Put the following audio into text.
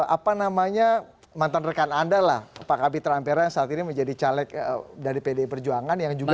apa namanya mantan rekan anda lah pak kapitra ampera yang saat ini menjadi caleg dari pdi perjuangan yang juga